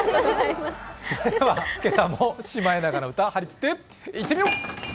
それでは今朝も「シマエナガの歌」はりきっていってみよう！